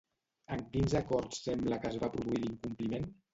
En quins acords sembla que es va produir l'incompliment?